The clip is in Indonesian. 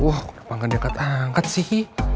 wah kok bangga dekat angkat sih